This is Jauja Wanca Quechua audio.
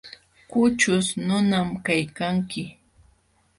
Kućhuśh nunam kaykanki.